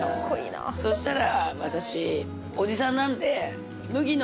そしたら。